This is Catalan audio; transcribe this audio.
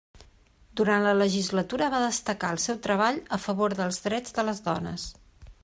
Durant la legislatura va destacar el seu treball a favor dels drets de les dones.